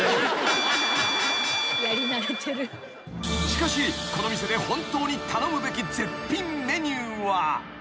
［しかしこの店で本当に頼むべき絶品メニューは］